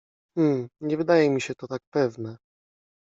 — Hm. Nie wydaje mi się to tak pewne.